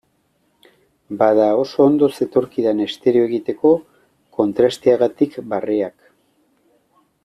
Bada oso ondo zetorkidan estereo egiteko, kontrasteagatik barreak.